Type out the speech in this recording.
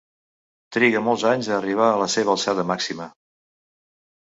Triga molts anys a arribar a la seva alçada màxima.